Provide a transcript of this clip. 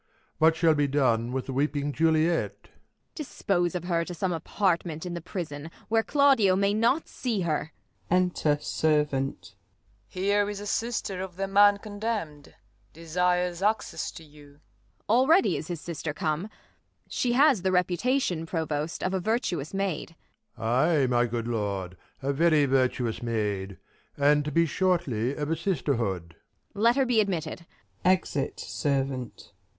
What shall be done with the weeping Juliet 1 Ang. Dispose of her to some apartment in The j)rison, where Claudio may not see her. Enter Servant. Serv. Here is a sister of the man condemn'd 138 THE LAW AGAINST LOVERS. Desires access to you. Ang. Already is his sister come 1 She has the reputation, Provost, of A virtuous maid. Prov. Ay, my good lord, a very virtuous maid, And to be shortly of a sisterhood. Ang. Let her be admitted ! [Exit Servant.